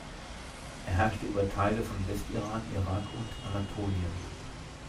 Er herrschte über Teile von Westiran, Irak und Anatolien.